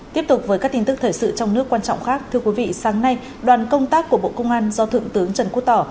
tiếp tục với các tin tức thời sự trong nước quan trọng khác thưa quý vị sáng nay đoàn công tác của bộ công an do thượng tướng trần quốc tỏ